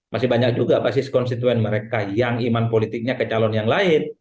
masih banyak juga pasti konstituen mereka yang iman politiknya ke calon yang lain